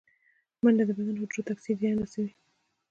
منډه د بدن حجرو ته اکسیجن رسوي